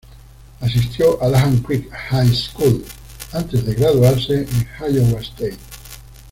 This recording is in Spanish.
Asistió a Langham Creek High School, antes de graduarse en Iowa State.